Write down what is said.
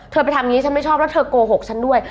ไปทำอย่างนี้ฉันไม่ชอบแล้วเธอโกหกฉันด้วย